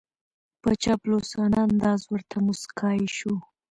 په چاپلوسانه انداز ورته موسکای شو